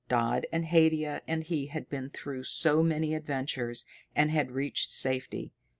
Dodd and Haidia and he had been through so many adventures, and had reached safety.